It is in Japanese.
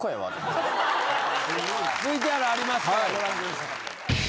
ＶＴＲありますからご覧ください。